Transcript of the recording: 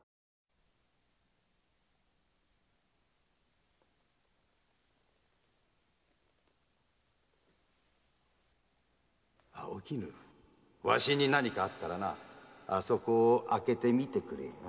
〔わしに何かあったらあそこを開けてみてくれ〕